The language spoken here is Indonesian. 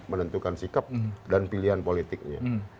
menentukan sikap dan pilihan politiknya